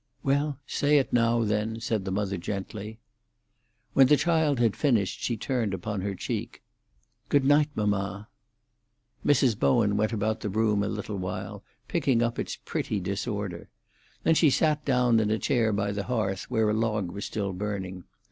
"Well, say it now, then," said the mother gently. When the child had finished she turned upon her cheek. "Good night, mamma." Mrs. Bowen went about the room a little while, picking up its pretty disorder. Then she sat down in a chair by the hearth, where a log was still burning.